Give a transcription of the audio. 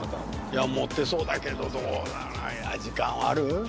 いや持ってそうだけどどう時間ある？